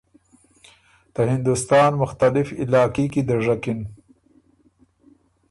ته هندوستان مختلف علاقي کی دَژکِن